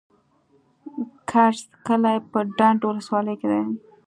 کرز کلی په ډنډ ولسوالۍ کي دی.